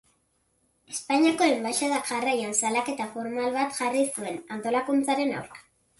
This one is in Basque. Espainiako enbaxadak jarraian salaketa formal bat jarri zuen antolakuntzaren aurka.